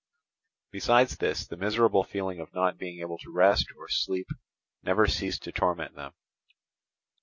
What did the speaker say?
Besides this, the miserable feeling of not being able to rest or sleep never ceased to torment them.